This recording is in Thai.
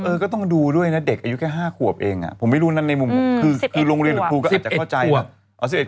ก็ต้องดูด้วยนะเด็กอายุแค่๕ขวบเองผมไม่รู้นะในมุมคือโรงเรียนหรือครูก็อาจจะเข้าใจว่า